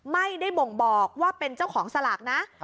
ไม่ได้บ่งบอกว่าเป็นเจ้าของสลากนะ